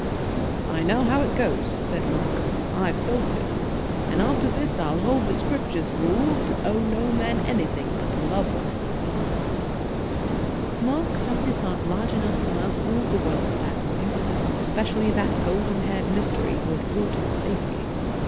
"I know how it goes," said Mark; "I've felt it. And after this, I'll hold the Scripture rule, to owe no man anything but to love one another." Mark felt his heart large enough to love all the world that morning, especially that golden haired mystery who had brought him safety.